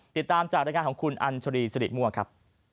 ติดตามจากรายงานของคุณอัญชรีสริมั่วครับ